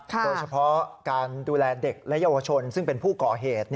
โดยเฉพาะการดูแลเด็กและเยาวชนซึ่งเป็นผู้ก่อเหตุ